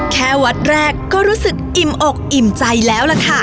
แค่วัดแรกก็รู้สึกอิ่มอกอิ่มใจแล้วล่ะค่ะ